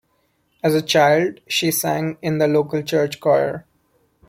As a child, she sang in the local church choir.